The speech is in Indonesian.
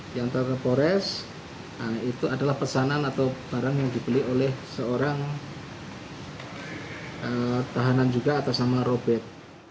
diantar ke pores itu adalah pesanan atau barang yang dibeli oleh seorang tahanan juga atau sama robet